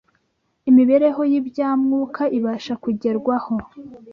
Imibereho y’ibya Mwuka ibasha kugerwaho